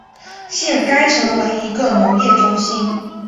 现该城为一个农业中心。